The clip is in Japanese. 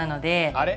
あれ？